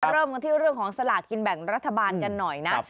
เริ่มกันที่เรื่องของสลากกินแบ่งรัฐบาลกันหน่อยนะ